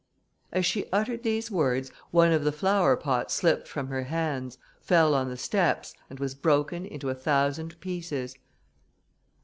As she uttered these words, one of the flowerpots slipped from her hands, fell on the steps, and was broken into a thousand pieces.